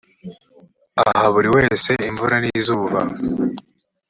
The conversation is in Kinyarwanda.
aha buri wese imvura n izuba